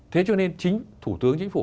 thế cho nên chính thủ tướng chính phủ